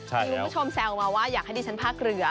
มีคุณผู้ชมแซวมาว่าอยากให้ดิฉันพากเรือ